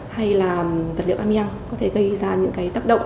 hay là vật liệu amiant có thể gây ra những tác động